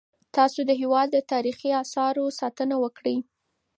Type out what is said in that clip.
تاسو د هیواد د تاریخي اثارو ساتنه وکړئ.